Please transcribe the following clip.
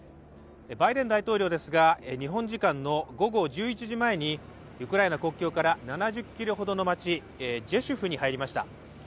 バイデン大統領ですが日本時間の午後１１時前にウクライナ国境から７０ｋｍほどの街、ジェシュフに入りました。